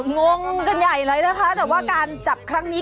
งงกันใหญ่เลยนะคะแต่ว่าการจับครั้งนี้